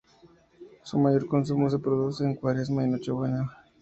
Su mayor consumo se produce en Cuaresma y Nochebuena.